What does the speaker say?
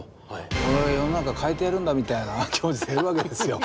俺が世の中変えてやるんだみたいな気持ちでいるわけですよ。